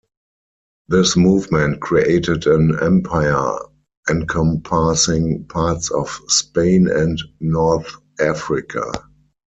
This movement created an empire encompassing parts of Spain and North Africa.